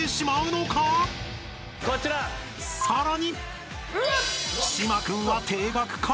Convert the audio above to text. ［さらに］